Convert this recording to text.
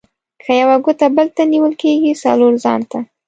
که یوه ګوته بل ته نيول کېږي؛ :څلور ځان ته.